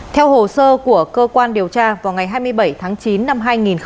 theo hồ sơ của cơ quan điều tra vào ngày hai mươi bảy tháng chín năm hai nghìn một mươi chín